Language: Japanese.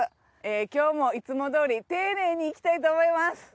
今日もいつもどおり丁寧にいきたいと思います。